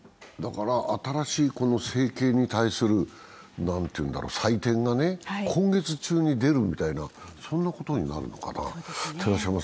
新しい政権に対する採点がね、今月中に出るみたいな、そんなことになるのかな。